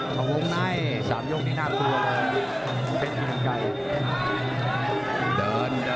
ของวงใน๓โยงนี้น่าตัว